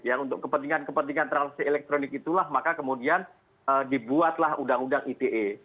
yang untuk kepentingan kepentingan transaksi elektronik itulah maka kemudian dibuatlah undang undang ite